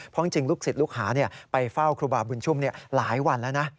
เพราะจริงลูกศิษย์ลูกหาไปเฝ้าครูบาบุญชุ่มหลายวันแล้วนะ